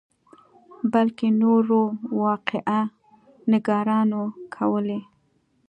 بلکې نورو واقعه نګارانو کولې.